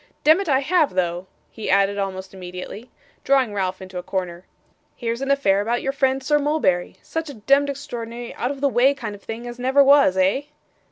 'Demmit! I have, though,' he added almost immediately, drawing Ralph into a corner. 'Here's an affair about your friend Sir Mulberry. Such a demd extraordinary out of the way kind of thing as never was eh?